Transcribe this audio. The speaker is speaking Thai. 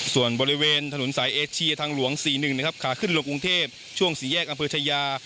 ส่วนบริเวณถนนสายเอเชียทางหลวง๔๑นะครับขาขึ้นลงกรุงเทพช่วงสี่แยกอำเภอชายา